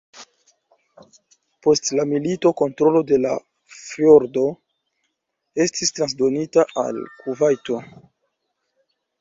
Post la milito kontrolo de la fjordo estis transdonita al Kuvajto.